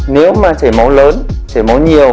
nếu mà chảy máu lớn chảy máu nhiều